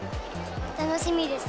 楽しみです。